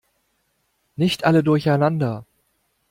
Nicht alle durcheinander!